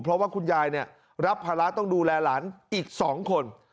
เพราะว่าคุณยายรับภาระต้องดูแลหลานอีก๒คน